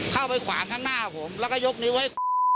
ขวางข้างหน้าผมแล้วก็ยกนิ้วไว้